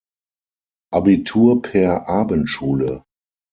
Abitur per Abendschule.